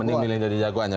mendingan jadi jagoannya